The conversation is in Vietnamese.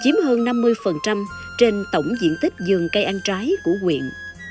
chiếm hơn năm mươi trên tổng diện tích giường cây ăn trái của quyện